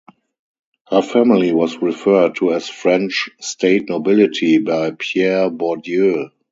Her family was referred to as French "state nobility" by Pierre Bourdieu.